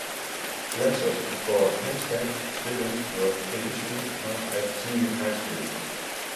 Classes for Hempstead students were initially held at Senior High School.